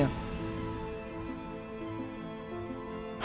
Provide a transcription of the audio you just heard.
dan optimis untuk bisa menyelesaikan semua ini